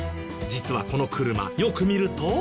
実はこの車よく見ると。